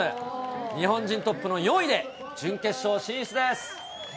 日本人トップの４位で、準決勝進出です。